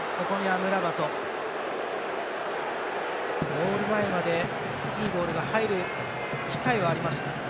ゴール前まで、いいボールが入る機会はありました。